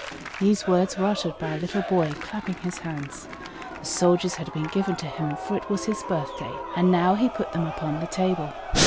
These words were uttered by a little boy, clapping his hands: the soldiers had been given to him, for it was his birthday; and now he put them upon the table.